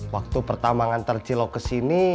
waktu pertambangan terjilok kesini